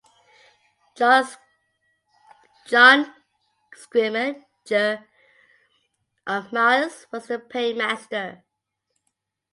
John Scrimgeour of Myres was the paymaster.